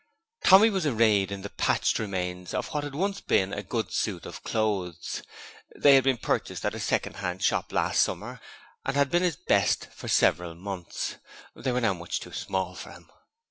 Tommy was arrayed in the patched remains of what had once been a good suit of clothes. They had been purchased at a second hand shop last summer and had been his 'best' for several months, but they were now much too small for him.